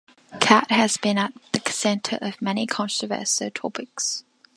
Catt has been at the center of many controversial topics.